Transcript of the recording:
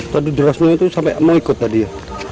tadi di rasulnya itu sampai mau ikut tadi ya